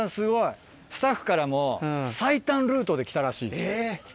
スタッフからも最短ルートで来たらしいです。